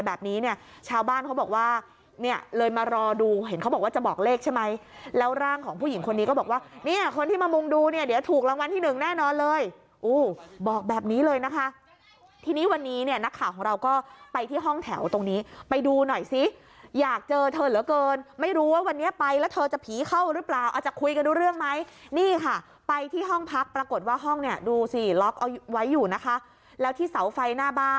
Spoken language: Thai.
ได้ใช่ไหมแล้วร่างของผู้หญิงคนนี้ก็บอกว่าเนี่ยคนที่มามุงดูเนี่ยเดี๋ยวถูกรางวัลที่๑แน่นอนเลยบอกแบบนี้เลยนะคะทีนี้วันนี้เนี่ยนักข่าวของเราก็ไปที่ห้องแถวตรงนี้ไปดูหน่อยซิอยากเจอเธอเหลือเกินไม่รู้ว่าวันนี้ไปแล้วเธอจะผีเข้าหรือเปล่าอาจจะคุยกันด้วยเรื่องไหมนี่ค่ะไปที่ห้องพักปรากฏว่าห้องเนี่ย